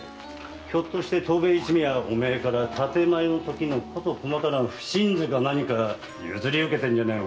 ひょっとして藤兵衛一味はお前から建前のときのこと細かな普請図か何か譲り受けてんじゃ？